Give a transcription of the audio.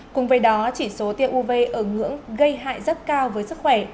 cùng với đó chỉ số tiêu uv ở ngưỡng gây hại rất cao với sức khỏe